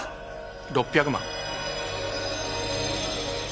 ６００万。